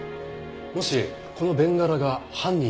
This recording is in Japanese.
もしこのベンガラが犯人に付着したら。